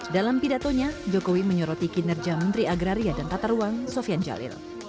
dalam pidatonya jokowi menyoroti kinerja menteri agraria dan tata ruang sofian jalil